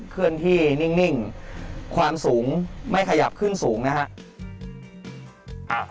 เคลื่อนที่นิ่งความสูงไม่ขยับขึ้นสูงนะครับ